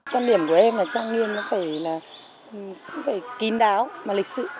quan điểm của em là trang nghiêm nó phải là cũng phải kín đáo mà lịch sự